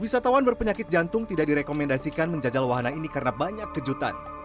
wisatawan berpenyakit jantung tidak direkomendasikan menjajal wahana ini karena banyak kejutan